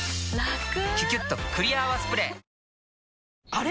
あれ？